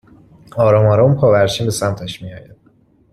آرام آرام و پاورچین به سمتش می آید